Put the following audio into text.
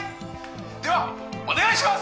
ではお願いします！